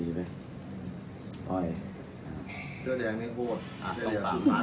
ส่วนสุดท้ายส่วนสุดท้าย